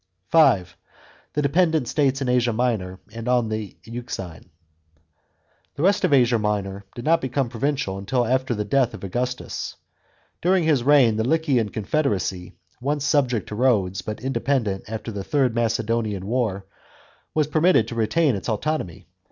§ 5. THE DEPENDENT STATES IN ASIA MINOR AND ON THB EUXINE. — The rest of Asia Minor did not become provincial until after the death of Augustus. During his reign the Lycian con federacy, once subject to Rhodes but independent after the Third Macedonian War, was permitted to retain its autonomy.